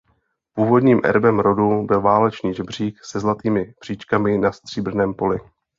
Původním erbem rodu byl válečný žebřík se zlatými příčkami na stříbrném poli.